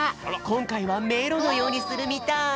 こんかいはめいろのようにするみたい。